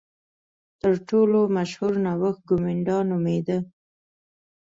تر ټولو مشهور نوښت کومېنډا نومېده.